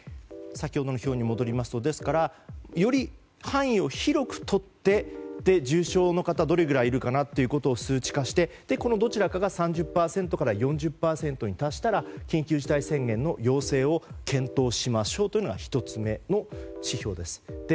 先ほどの表に戻りますとですから、より範囲を広くとって重症の方がどれくらいいるかなということを数値化してこのどちらかが３０％から４０％に達したら緊急事態宣言の要請を検討しましょうというのが１つ目の指標です。